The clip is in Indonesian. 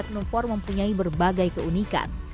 biat numpur mempunyai berbagai keunikan